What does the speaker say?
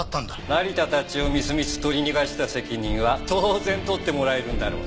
成田たちをみすみす取り逃がした責任は当然取ってもらえるんだろうな。